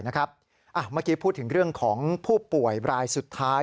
เมื่อกี้พูดถึงเรื่องของผู้ป่วยรายสุดท้าย